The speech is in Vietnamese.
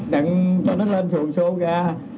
đặng cho nó lên xuồng xô ra